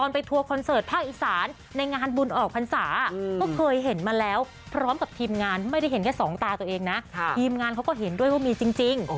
พีมงานเขาก็เห็นด้วยว่ามีจริง